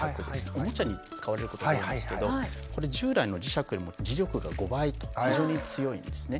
おもちゃに使われることが多いんですけどこれ従来の磁石よりも磁力が５倍と非常に強いんですね。